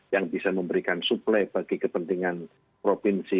yang bisa memberikan suplai bagi kepentingan provinsi